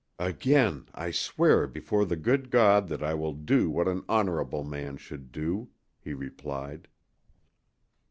"Again I swear before the good God that I will do what an honorable man should do," he replied.